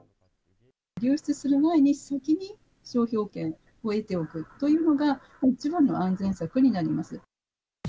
流出する前に先に商標権を得ておくというのが一番の安全策になります。